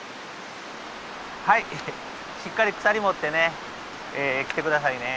はいしっかり鎖持ってね来て下さいね。